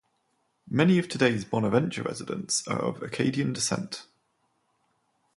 Many of today's Bonaventure residents are of Acadian descent.